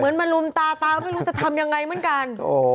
เหมือนมันลุมตาตามรู้จะทำอย่างไรเหมือนกัน